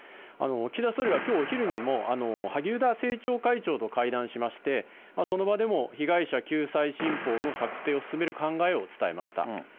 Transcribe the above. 岸田総理はきょうお昼にも、萩生田政調会長と会談しまして、その場でも被害者救済新法の策定を進める考えを伝えました。